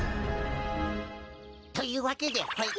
というわけでほい。